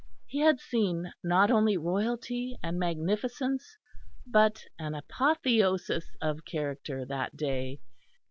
He had seen not only royalty and magnificence but an apotheosis of character that day.